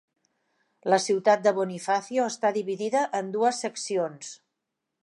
La ciutat de Bonifacio està dividida en dues seccions.